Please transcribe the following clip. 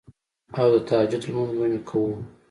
او د تهجد مونځ به مې کوو